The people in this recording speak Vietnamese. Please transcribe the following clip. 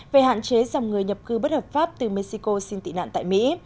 về hạn chế dòng người nhập cư bất hợp pháp từ mexico xin tị nạn tại mỹ